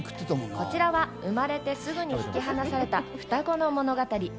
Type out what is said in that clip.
こちらは生まれてすぐに引き離された双子の物語。